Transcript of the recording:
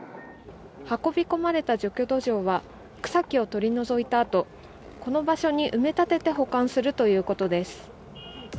運び込まれた除去土壌は草木を取り除いたあとこの場所に埋め立てて保管するということです。